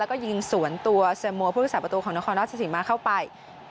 แล้วก็ยิงสวนตัวเสมอผู้สาปตัวของนครราชสีมาเข้าไป